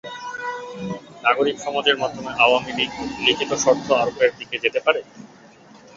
নাগরিক সমাজের মাধ্যমে আওয়ামী লীগ লিখিত শর্ত আরোপের দিকে যেতে পারে?